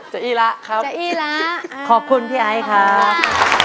อี้ละครับจะอี้ละขอบคุณพี่ไอครับ